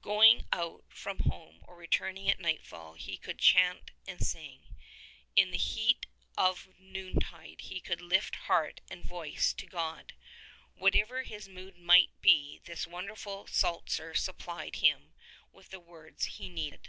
Going out from home or returning at night fall he could chant and sing. In the heat of noontide he could lift heart and voice to God. Whatever his mood might be this wonderful Psalter supplied him with the words he needed.